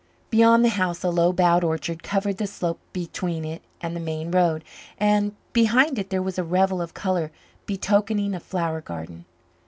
Beyond the house a low boughed orchard covered the slope between it and the main road, and behind it there was a revel of colour betokening a flower garden.